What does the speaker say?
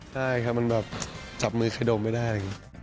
ใช่ค่ะมันแบบจับมือเคยดมไม่ได้